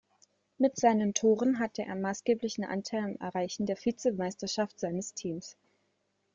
Mit seinen Toren hatte er maßgeblichen Anteil am Erreichen der Vizemeisterschaft seines Teams.